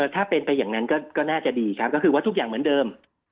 ถ้าเป็นไปอย่างนั้นก็น่าจะดีครับก็คือว่าทุกอย่างเหมือนเดิม